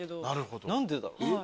何でだろう？